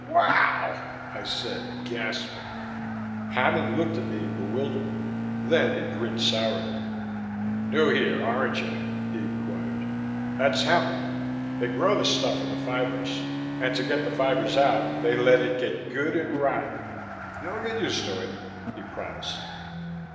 "Wow!" I said, gasping. Hammond looked at me in bewilderment; then he grinned sourly. "New here, aren't you?" he inquired. "That's hemp. They grow the stuff for the fibers; and to get the fibers out, they let it get good and rotten. You'll get used to it," he promised.